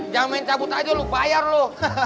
jangan main cabut aja lo bayar lo